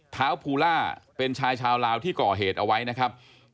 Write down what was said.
เท้าภูล่าเป็นชายชาวลาวที่ก่อเหตุเอาไว้นะครับ